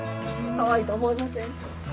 かわいいと思いません？